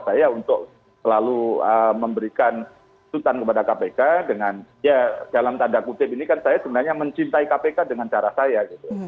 saya untuk selalu memberikan sutan kepada kpk dengan ya dalam tanda kutip ini kan saya sebenarnya mencintai kpk dengan cara saya gitu